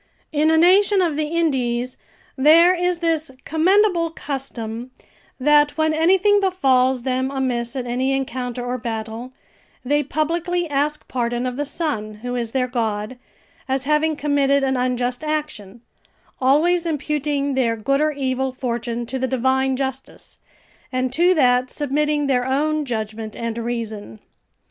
In a nation of the Indies, there is this commendable custom, that when anything befalls them amiss in any encounter or battle, they publicly ask pardon of the sun, who is their god, as having committed an unjust action, always imputing their good or evil fortune to the divine justice, and to that submitting their own judgment and reason.